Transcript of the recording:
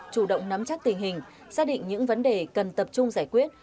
chủ động nắm chắc tình hình xác định những vấn đề cần tập trung giải quyết